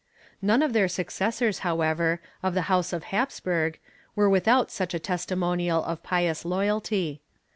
None of their successors, however, of the House of Hapsburg, were without such a testimonial of pious loyalty.